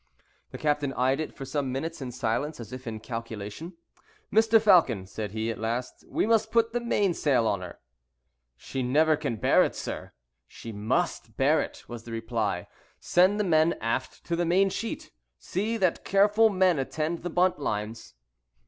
The captain eyed it for some minutes in silence, as if in calculation. "Mr. Falcon," said he, at last, "we must put the mainsail on her." "She never can bear it, sir." "She must bear it," was the reply. "Send the men aft to the mainsheet. See that careful men attend the buntlines."